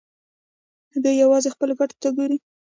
دوی یوازې خپلو ګټو ته ګوري.